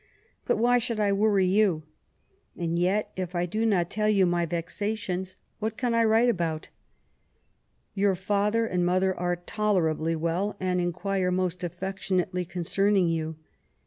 But why should I worry you ? and yet, if I do not tell you my vexations, what can I write about ? Your father and mother are tolerably well, and inquire most afifeo tionately concerning you.